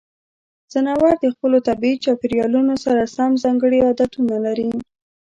ځناور د خپلو طبیعي چاپیریالونو سره سم ځانګړې عادتونه لري.